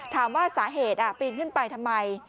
ถามว่าสาเหตุปีนขึ้นไปทำไม